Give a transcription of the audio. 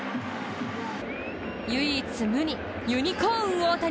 唯一無二、ユニコーン大谷。